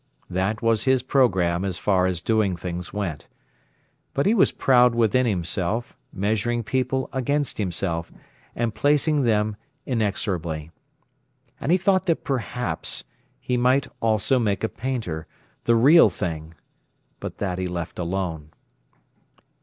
That was his programme as far as doing things went. But he was proud within himself, measuring people against himself, and placing them, inexorably. And he thought that perhaps he might also make a painter, the real thing. But that he left alone.